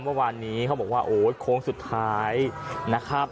เมื่อวานนี้เขาบอกว่าโอ้ยโค้งสุดท้ายนะครับ